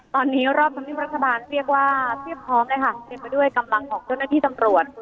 ตอนนี้รอบธรรมเนียบรัฐบาลเรียกว่าเพียบพร้อมเลยค่ะเต็มไปด้วยกำลังของเจ้าหน้าที่ตำรวจ